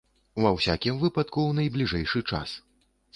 Ва ўсякім выпадку, у найбліжэйшы час.